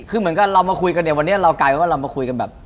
คือเหมือนกับเรามาคุยกันเนี่ยวันนี้เรากลายเป็นว่าเรามาคุยกันแบบ